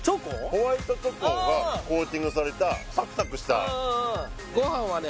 ホワイトチョコがコーティングされたサクサクしたご飯はね